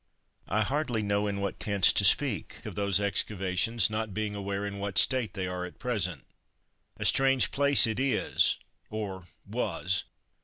I hardly know in what tense to speak of those excavations, not being aware in what state they are at present. A strange place it is, or was.